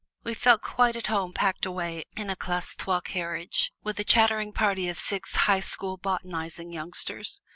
We felt quite at home packed away in a Classe Trois carriage with a chattering party of six High School botanizing youngsters.